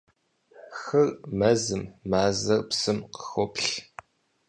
Хыр мэзым, мазэр псым къыхоплъ.